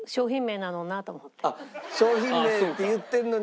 あっ商品名って言ってるのに。